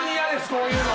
こういうの。